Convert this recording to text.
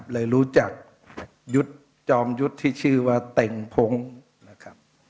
เลยรู้จักจอมยุทธ์ที่ชื่อว่าเต็งพงค์